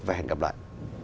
và hẹn gặp lại